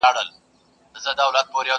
بوډا ژړل ورته یوازي څو کیسې یادي وې!